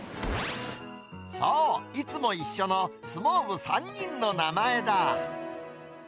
そう、いつも一緒の相撲部３人の名前だ。